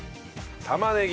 玉ねぎ。